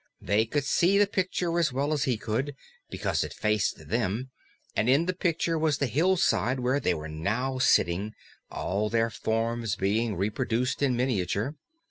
They could see the Picture as well as he could, because it faced them, and in the Picture was the hillside where they were now sitting, all their forms being reproduced in miniature.